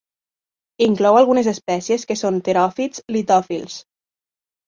Inclou algunes espècies que són teròfits litòfils.